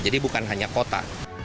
jadi bukan hanya kota